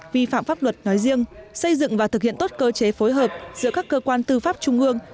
vi phạm pháp luật nói riêng xây dựng và thực hiện tốt cơ chế phối hợp giữa các cơ quan tư pháp trung ương